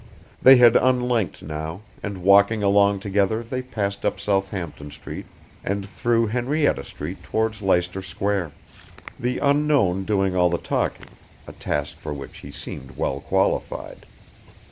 They had unlinked now, and walking along together they passed up Southampton Street and through Henrietta Street towards Leicester Square. The unknown doing all the talking, a task for which he seemed well qualified.